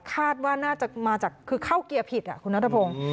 คาดว่าน่าจะมาจากคือเข้าเกียร์ผิดคุณนัทพงศ์